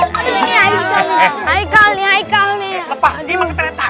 ustaz mendingan cari fikri deh sampai ketemu